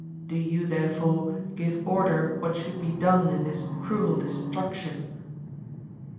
Do you, there fore, give order what should be done in this cruel destruction.